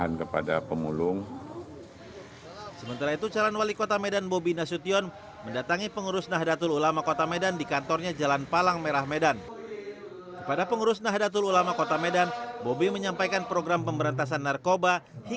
assalamualaikum warahmatullahi wabarakatuh